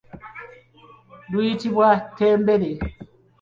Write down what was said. Luyitibwa ttembere.